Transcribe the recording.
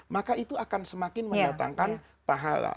maka itu akan semakin mendatangkan pahala